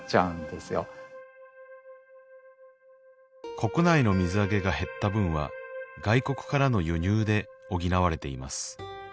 国内の水揚げが減った分は外国からの輸入で補われています